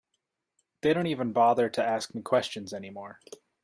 They don't even bother to ask me questions any more.